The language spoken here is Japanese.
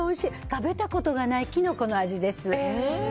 食べたことのないキノコの味です。